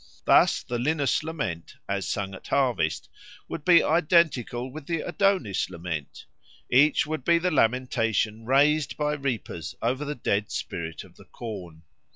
Thus the Linus lament, as sung at harvest, would be identical with the Adonis lament; each would be the lamentation raised by reapers over the dead spirit of the corn.